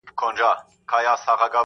چاته وايی نابغه د دې جهان یې!